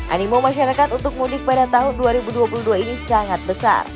animo masyarakat untuk mudik pada tahun dua ribu dua puluh dua ini sangat besar